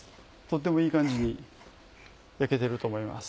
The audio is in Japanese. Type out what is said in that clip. とってもいい感じに焼けてると思います。